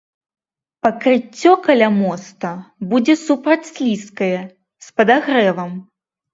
Пакрыццё каля моста будзе супрацьслізкае, з падагрэвам.